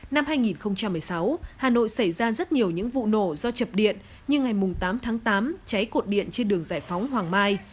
năm hai nghìn một mươi sáu hà nội xảy ra rất nhiều những vụ nổ do chập điện như ngày tám tháng tám cháy cột điện trên đường giải phóng hoàng mai